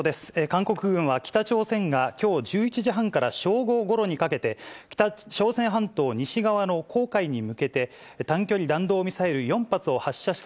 韓国軍は、北朝鮮がきょう１１時半から正午ごろにかけて、朝鮮半島西側の黄海に向けて、短距離弾道ミサイル４発を発射し